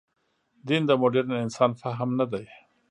دین د مډرن انسان فهم نه دی.